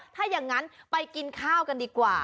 ถ้าอย่างนั้นไปกินข้าวกันดีกว่า